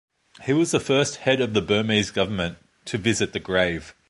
He was the first head of Burmese government to visit the grave.